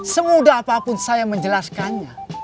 semudah apapun saya menjelaskannya